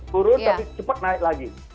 turun tapi cepat naik lagi